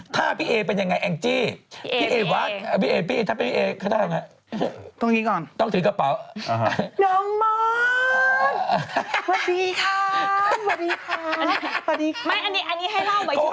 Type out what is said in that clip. แต่ก่อนแรกเค้าจะพูดกับใครเค้าต้องสวัสดีทุกคนก่อนเออน่าสวัสดีก่อน